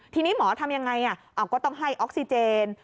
ทีนี้หมอทำอย่างไรอ้าวก็ต้องให้ออกซิเจน